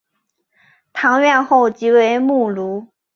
堂院后即为墓庐。